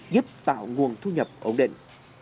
giúp tạo nguồn thu nhập ổn định